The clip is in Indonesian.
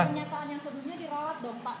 pernyataan yang sebelumnya dirawat dong pak